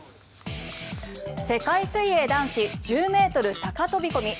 世界水泳男子１０ｍ高飛込。